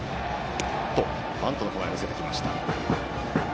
バントの構えを見せてきました。